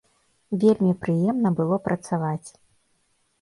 Вельмі прыемна было працаваць.